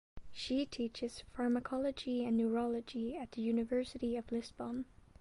She teaches pharmacology and neurology at the University of Lisbon.